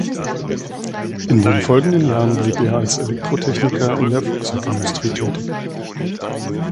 In den folgenden Jahren blieb er als Elektrotechniker in der Flugzeugindustrie tätig.